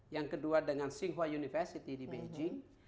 yang kedua dengan singhoa university di beijing